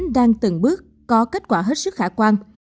đang từng bước có kết quả hết sức khả quan